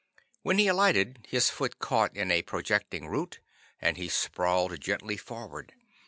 When he alighted, his foot caught in a projecting root, and he sprawled gently forward.